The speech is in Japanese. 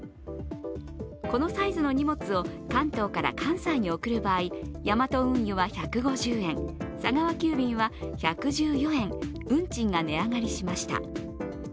このサイズの荷物を関東から関西に送る場合ヤマト運輸は１５０円、佐川急便は１１４円、運賃が値上がりしました。